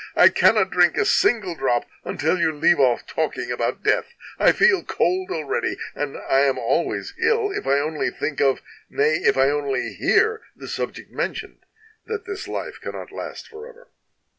I cannot drink a single drop, until you leave off talking about death. I feel cold already, and I am always ill, if I only think of, nay, if I only hear the subject men tioned, that this Hfe cannot last forever."